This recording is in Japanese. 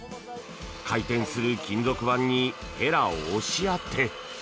回転する金属板にへらを押し当て。